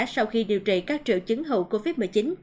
sau khi điều trị các triệu chứng hậu covid một mươi chín